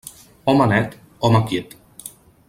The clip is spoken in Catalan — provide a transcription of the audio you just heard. Home net, home quiet.